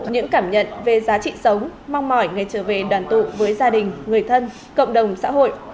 những cảm nhận về giá trị sống mong mỏi ngày trở về đoàn tụ với gia đình người thân cộng đồng xã hội